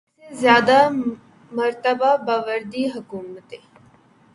پھر ایک سے زیادہ مرتبہ باوردی حکومتیں۔